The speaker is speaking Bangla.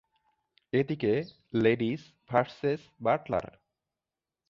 এদিকে "লেডিস ভার্সেস বাটলার!"